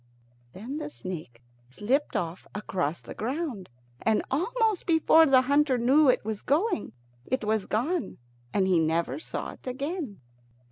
Then the snake slipped off along the ground, and almost before the hunter knew it was going, it was gone, and he never saw it again.